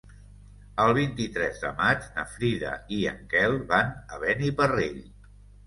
El vint-i-tres de maig na Frida i en Quel van a Beniparrell.